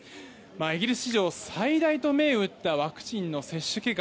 イギリス史上最大と銘打ったワクチンの接種計画